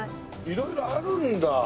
色々あるんだ。